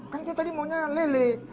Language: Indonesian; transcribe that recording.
kan saya tadi maunya lele